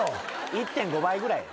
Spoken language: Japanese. １．５倍ぐらいや。